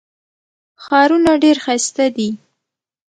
ښارونه ډېر ښایسته دي.